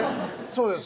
そうです